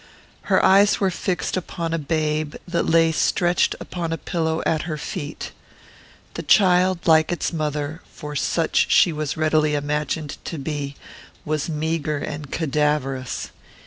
Her eyes were fixed upon a babe that lay stretched upon a pillow at her feet. The child, like its mother, for such she was readily imagined to be, was meagre and cadaverous.